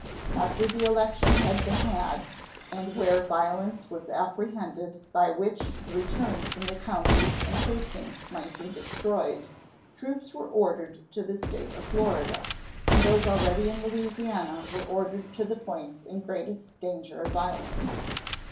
After the election had been had, and where violence was apprehended by which the returns from the counties and precincts might be destroyed, troops were ordered to the State of Florida, and those already in Louisiana were ordered to the points in greatest danger of violence.